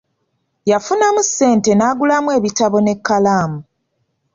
Yafunamu sente n'agulamu ebitabo n'ekkalaamu.